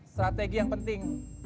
strategi yang penting